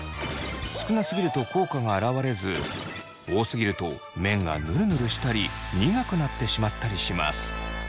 少なすぎると効果があらわれず多すぎると麺がぬるぬるしたり苦くなってしまったりします。